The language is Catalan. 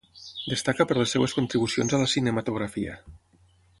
Destaca per les seves contribucions a la cinematografia.